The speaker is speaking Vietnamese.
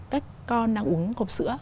các con đang uống hộp sữa